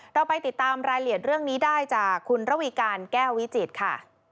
เราไปติดตามรายละเอียดเรื่องนี้ได้จากคุณระวีการแก้ววิจิตรค่ะ